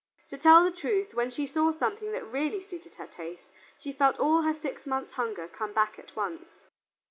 To tell the truth, when she saw something that really suited her taste, she felt all her six months' hunger come back at once.